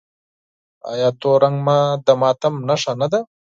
آیا تور رنګ د ماتم نښه نه ده؟